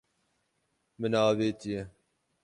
Min avêtiye.